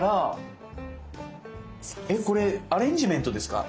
えっこれアレンジメントですか？